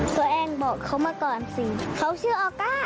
ตัวเองบอกเขามาก่อนสิเขาชื่อออก้า